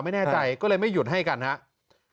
ไม่แน่ใจก็เลยไม่หยุดให้กันครับ